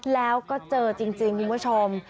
แล้วก็เจอจริงคุณผู้ชม